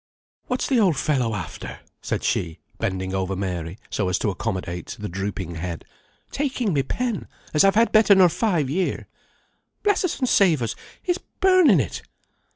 "What's the old fellow after?" said she, bending over Mary, so as to accommodate the drooping head. "Taking my pen, as I've had better nor five year. Bless us, and save us! he's burning it!